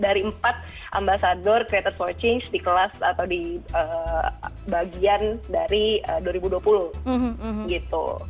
dari empat ambasador creator searching di kelas atau di bagian dari dua ribu dua puluh gitu